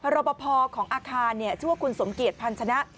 รอปภของอาคารชื่อว่าคุณสมเกียจพันธนะ